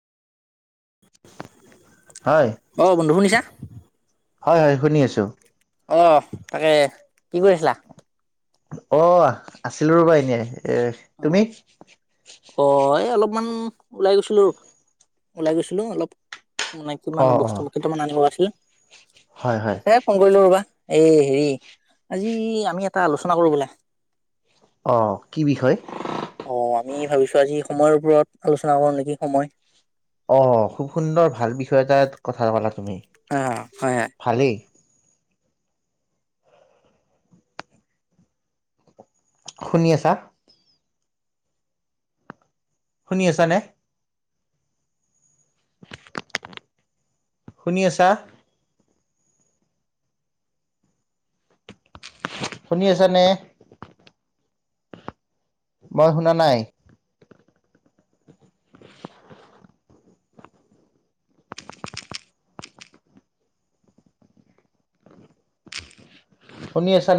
হয়। অঁ বন্ধু শুনিছা? হয় হয়, শুনি আছো। অঁ' তাকে কি কৰি আছিলা? অ' আছিলো ৰ'বা এনেই, এ অ তুমি? অ এই অলপমান ওলাই গৈছিলো, ওলাই গৈছিলোং অলপ। মানে কিমান অ', বস্তু অ'। কেইটামান আনিব আছিলে। হয়, হয়। কৰিলও ৰবা, এই হেৰি আজি আমি এটা আলোচনা কৰো বলা। অঁ কি বিষয়? অঁ' আমি ভাবিছো আজি সময়ৰ ওপৰত আলোচনা কৰো নেকি সময়। অঁ' খুব সুন্দৰ ভাল বিষয় এটাৰ কথা ক'লা তুমি, অ হয় হয়। ভালেই। শুনি আছা? শুনি আছা নে? শুনি আছা। শুনি আছা নে? মই শুনা নাই। [inaudible] শুনি আছানে?